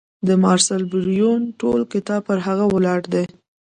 د مارسل بریون ټول کتاب پر هغه ولاړ دی.